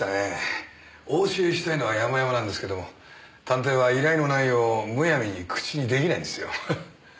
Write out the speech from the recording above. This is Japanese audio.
お教えしたいのは山々なんですけども探偵は依頼の内容をむやみに口に出来ないんですよ。